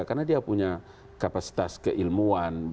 karena dia punya kapasitas keilmuan